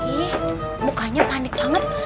ih mukanya panik banget